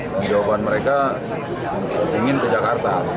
jawaban mereka ingin ke jakarta